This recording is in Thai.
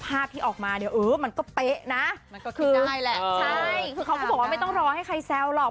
ภาพที่ออกมาเนี่ยเออมันก็เป๊ะนะมันก็คือได้แหละใช่คือเขาก็บอกว่าไม่ต้องรอให้ใครแซวหรอก